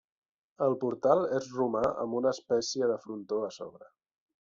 El portal és romà amb una espècie de frontó a sobre.